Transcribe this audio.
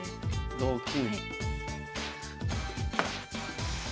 同金。